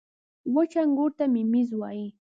• وچ انګور ته مميز وايي.